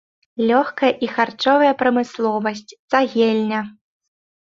Лёгкая і харчовая прамысловасць, цагельня.